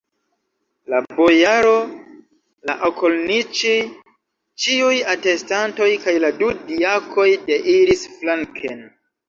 La bojaro, la okolniĉij, ĉiuj atestantoj kaj la du diakoj deiris flanken.